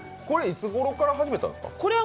これはいつごろから始めたんですか？